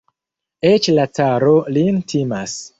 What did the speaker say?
Eĉ la caro lin timas.